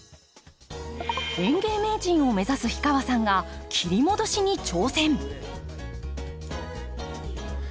園芸名人を目指す氷川さんが切り戻しに挑戦。